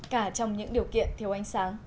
cả trong những điều kiện thiếu ánh sáng